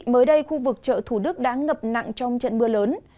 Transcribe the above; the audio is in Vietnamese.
mới đây khu vực chợ thủ đức đã ngập nặng trong trận mưa lớn